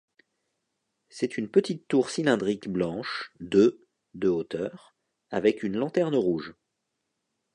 C'est une petite tour cylindrique blanche de de hauteur, avec une lanterne rouge.